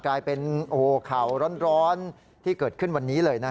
กลายเป็นข่าวร้อนที่เกิดขึ้นวันนี้เลยนะ